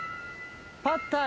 パッタイ。